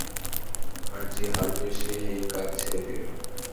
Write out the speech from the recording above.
আর যে হারবে, সে এই কাজ ছেড়ে দিবে।